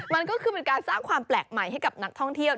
มันก็คือเป็นการสร้างความแปลกใหม่ให้กับนักท่องเที่ยว